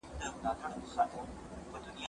زه بايد کالي وچوم!؟